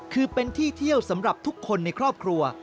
คือเป็นที่เที่ยวสำหรับทุกคนในครอบครัว